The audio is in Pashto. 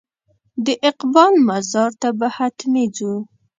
د اقبال مزار ته به حتمي ځو.